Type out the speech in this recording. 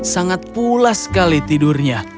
sangat pulas sekali tidurnya